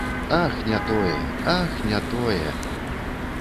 Ах, не тое, ах, не тое!